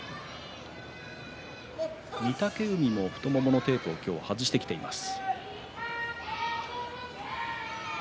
御嶽海も太もものテープを今日、外してきています。